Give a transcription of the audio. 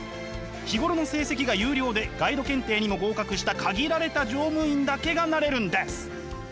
日頃の成績が優良でガイド検定にも合格した限られた乗務員だけがなれるんです。